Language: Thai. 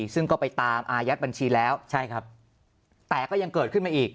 ซึ่งก็ไปตามอายัดบัญชีแล้วใช่ครับแต่ก็ยังเกิดขึ้นมาอีก